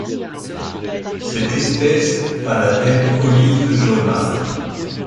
Cette espèce a la tête olive jaunâtre.